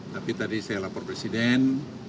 tapi tadi saya lapor presiden